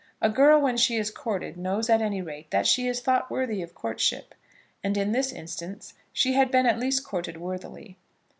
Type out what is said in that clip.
A girl when she is courted knows at any rate that she is thought worthy of courtship, and in this instance she had been at least courted worthily.